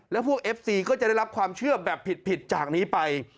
แล้วพวกเอฟซีก็จะได้รับความเชื่อแบบผิดจากนี้ไป